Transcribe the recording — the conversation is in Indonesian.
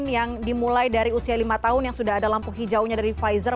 yang dimulai dari usia lima tahun yang sudah ada lampu hijaunya dari pfizer